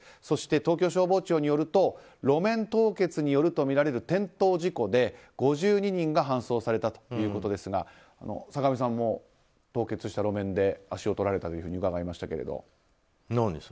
そして、東京消防庁によると路面凍結によるとみられる転倒事故で５２人が搬送されたということですが坂上さんも凍結した路面で足をとられたというふうに伺いましたけど。